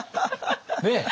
ねえ？